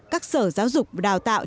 các sở giáo dục và đào tạo